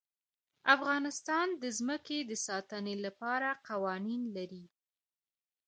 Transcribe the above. افغانستان د ځمکه د ساتنې لپاره قوانین لري.